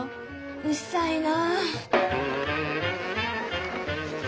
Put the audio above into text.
うっさいな。